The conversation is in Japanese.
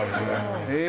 えっ！